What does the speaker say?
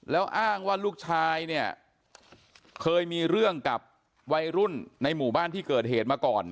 แล้วอ้างว่าลูกชายเนี่ยเคยมีเรื่องกับวัยรุ่นในหมู่บ้านที่เกิดเหตุมาก่อน